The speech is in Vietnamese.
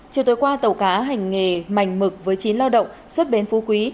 chiều tối qua tàu cá hành nghề mảnh mực với chín lao động xuất bến phú quý